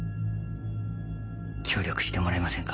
協力してもらえませんか？